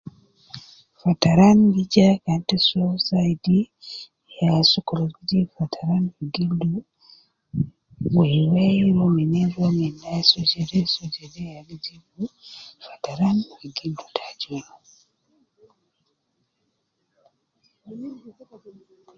Fataran gi jaa kan ita so zaidi, ya sokol Al jib fataran fi gildu weiwei ruwa minin ruwa minaa so jede so jede ya gi jibu fataran fi gildu